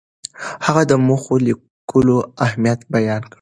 هغه د موخو لیکلو اهمیت بیان کړ.